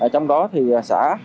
trong đó thì xã